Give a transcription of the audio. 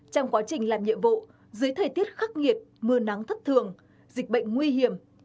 trong quá trình làm nhiệm vụ dưới thời tiết khắc nghiệt mưa nắng thất thường dịch bệnh nguy hiểm